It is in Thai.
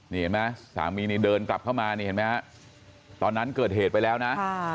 นี่เห็นไหมสามีนี่เดินกลับเข้ามานี่เห็นไหมฮะตอนนั้นเกิดเหตุไปแล้วนะ